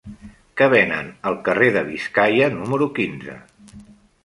Què venen al carrer de Biscaia número quinze?